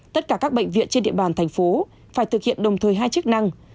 tất cả các bệnh viện trên địa bàn thành phố phải thực hiện đồng thời hai chức năng